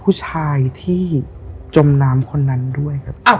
ผู้ชายที่จมน้ำคนนั้นด้วยครับ